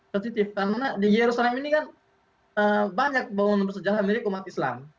karena di yerusalem ini kan banyak bangunan bersejarah milik umat islam